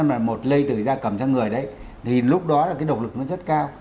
cúm a h một n một lây từ da cầm sang người đấy thì lúc đó là cái độc lực nó rất cao